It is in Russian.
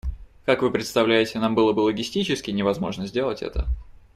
Как вы представляете, нам было бы логистически невозможно сделать это.